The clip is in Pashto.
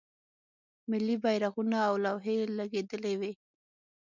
ملی بیرغونه او لوحې لګیدلې وې.